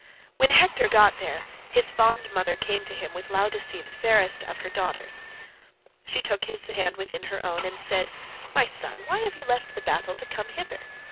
When Hector got there, his fond mother came up to him with Laodice the fairest of her daughters. She took his hand within her own and said, "My son, why have you left the battle to come hither?